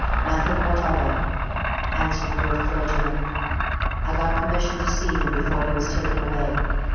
"Nothing whatever!" answered the old clergyman. "I got permission to see him before he was taken away.